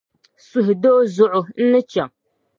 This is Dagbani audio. Suhudoo zuɣu, n ni chaŋ.